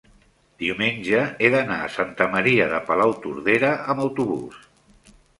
diumenge he d'anar a Santa Maria de Palautordera amb autobús.